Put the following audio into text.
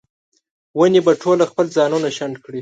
ونې به ټوله خپل ځانونه شنډ کړي